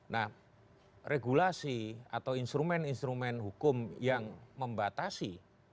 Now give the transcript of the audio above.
nah regulasi atau instrumen instrumen hukum yang membatasi